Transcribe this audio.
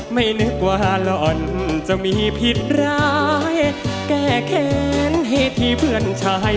ไม่นึกว่าหล่อนจะมีผิดร้ายแก้แค้นให้ที่เพื่อนชาย